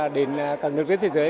đến các nước trên thế giới